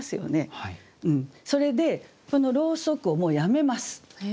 それでこの「ロウソク」をもうやめます。